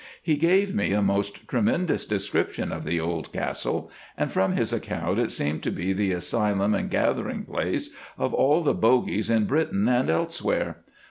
He gave me a most tremendous description of the old castle, and from his account it seemed to be the asylum and gathering place of all the bogies in Britain and elsewhere.